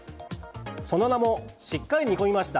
その名も鹿り煮込みました！